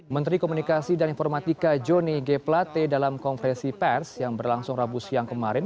menteri komunikasi dan informatika johnny g plate dalam konferensi pers yang berlangsung rabu siang kemarin